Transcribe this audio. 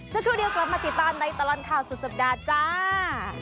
สักครู่เดียวกลับมาติดตามในตลอดข่าวสุดสัปดาห์จ้า